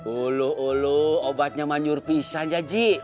uluh uluh obatnya manjur pisah aja ji